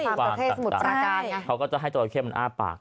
สามจัตราเค้สมุดปราการใช่เค้าก็จะให้จัตราเค้มันอ้าปาก